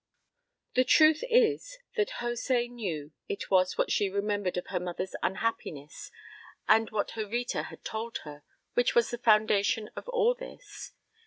The truth is that José knew it was what she remembered of her mother's unhappiness and what Jovita had told her, which was the foundation of all this.